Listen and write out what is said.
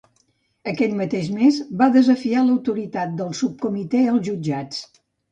Aquell mateix mes va desafiar l'autoritat del subcomitè als jutjats.